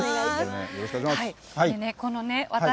よろしくお願いします。